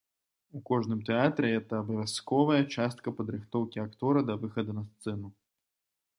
У кожным тэатры гэта абавязковая частка падрыхтоўкі актора да выхаду на сцэну.